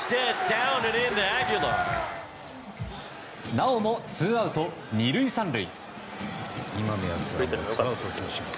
なおもツーアウト２塁３塁。